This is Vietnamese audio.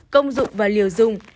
hai công dụng và liều dùng